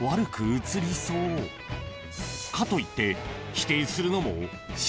［かといって］